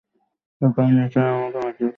এ কারণে তারা আমাকে মারধর করেছে।